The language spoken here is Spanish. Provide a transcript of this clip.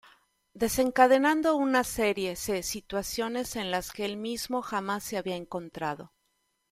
Desencadenando una serie se situaciones en las que el mismo jamás se había encontrado.